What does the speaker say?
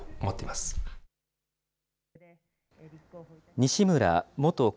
西村元厚